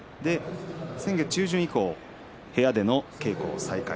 先月中旬以降部屋での稽古を再開。